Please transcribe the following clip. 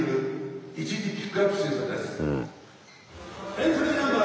エントリーナンバー